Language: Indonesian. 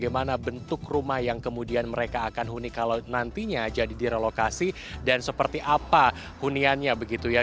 bagaimana bentuk rumah yang kemudian mereka akan huni kalau nantinya jadi direlokasi dan seperti apa huniannya begitu ya